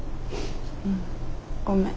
うんごめん。